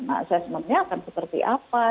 nah assessmentnya akan seperti apa